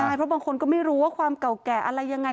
ใช่เพราะบางคนก็ไม่รู้ว่าความเก่าแก่อะไรยังไง